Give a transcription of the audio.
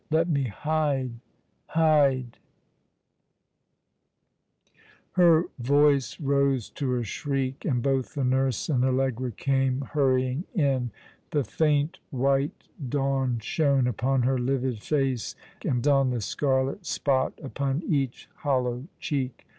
let me hide— hide !" Her voice rose to a shriek ; and both the nurse and Allegra came hurrying in. The faint white dawn shone uiDon her livid face and on the scarlet spot upon each hollow cheek.